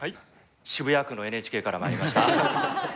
渋谷区のＮＨＫから参りました。